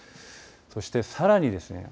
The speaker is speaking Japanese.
そして、さらにですね